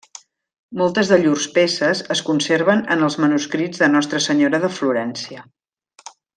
Moltes de llurs peces es conserven en els manuscrits de Nostra Senyora de Florència.